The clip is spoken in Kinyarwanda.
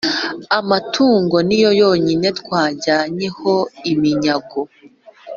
amatungo ni yo yonyine twajyanye ho iminyago,